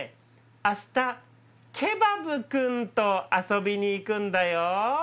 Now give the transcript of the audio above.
明日ケバブ君と遊びに行くんだよ。